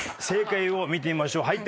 正解を見てみましょう。